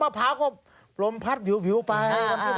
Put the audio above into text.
พร้าวก็ลมพัดผิวไป